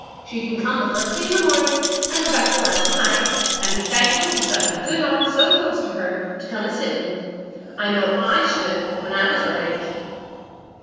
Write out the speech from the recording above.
She can come the first thing in the morning, and go back the last at night, and be thankful she's got a good aunt so close to her to come and sit with. I know I should, when I was her age."